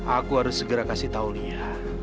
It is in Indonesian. aku harus segera kasih tahu lihat